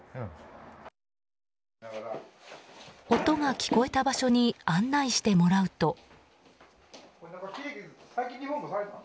音が聞こえた場所に案内してもらうと。